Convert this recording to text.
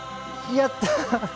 やった！